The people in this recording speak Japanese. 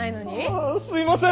ああすいません！